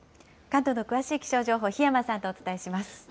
関東の詳しい気象情報、檜山さんとお伝えします。